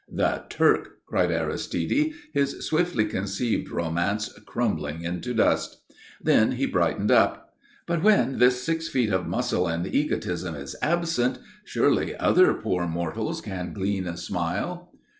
"The Turk!" cried Aristide, his swiftly conceived romance crumbling into dust. Then he brightened up. "But when this six feet of muscle and egotism is absent, surely other poor mortals can glean a smile?"